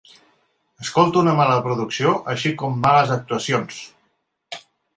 Escolto una mala producció, així com males actuacions.